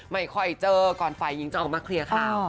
ไม่ค่อยเจอก่อนฝ่ายหญิงจะออกมาเคลียร์ข่าว